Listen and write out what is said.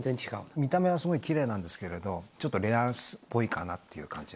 見た目はすごいきれいなんですけど、ちょっとレアっぽいかなっていう感じが。